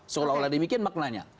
seolah olah demikian maknanya